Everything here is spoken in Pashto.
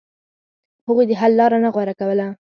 هغوی د حل لار نه غوره کوله.